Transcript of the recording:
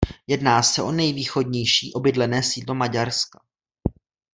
Jedná se o nejvýchodnější obydlené sídlo Maďarska.